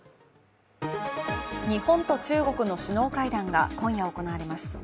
日本と中国の首脳会談が今夜、行われます。